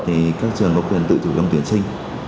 thì các trường có quyền tự chủ trong tuyển sinh